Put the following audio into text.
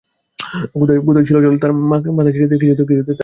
কুঁজায় জল ছিল, তার মুখে মাথায় ছিটা দিয়া কিছুতেই তার চৈতন্য হইল না।